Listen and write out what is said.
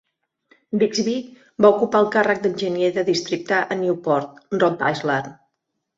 Bixby va ocupar el càrrec d'enginyer de districte a Newport, Rhode Island.